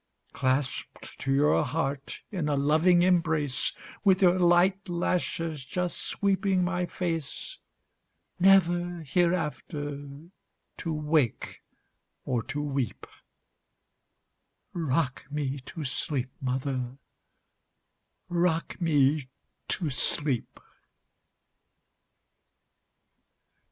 Clasped to your heart in a loving embrace, With your light lashes just sweeping my face, Never hereafter to wake or to weep;—Rock me to sleep, mother,—rock me to sleep!